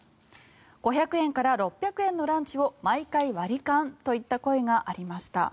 ５００円から６００円のランチを毎回割り勘といった声がありました。